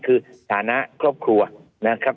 คือฐานะครอบครัวนะครับ